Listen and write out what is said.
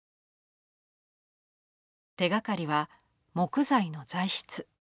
手がかりは木材の材質。